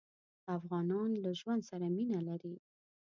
افغانان له ژوند سره مينه لري.